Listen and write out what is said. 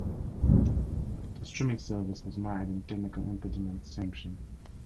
The streaming service was mired in technical impediments since its inception.